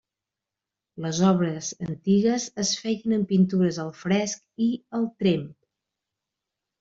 Les obres antigues es feien amb pintures al fresc i al tremp.